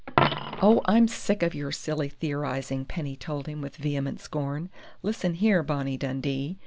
"Oh, I'm sick of your silly theorizing!" Penny told him with vehement scorn. "Listen here, Bonnie Dundee!